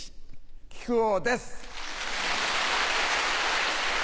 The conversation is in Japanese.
木久扇です！